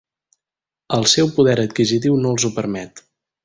El seu poder adquisitiu no els ho permet.